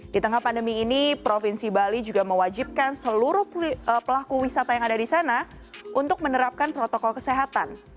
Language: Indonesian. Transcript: di tengah pandemi ini provinsi bali juga mewajibkan seluruh pelaku wisata yang ada di sana untuk menerapkan protokol kesehatan